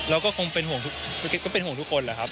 เราก็คงเป็นห่วงทุกคนแหละครับ